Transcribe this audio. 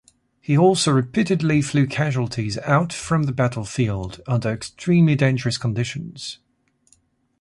He also repeatedly flew casualties out from the battlefield under extremely dangerous conditions.